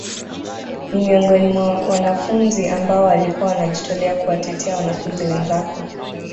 Ni miongoni mwa wanafunzi ambao walikuwa wanajitolea kuwatetea wanafunzi wenzako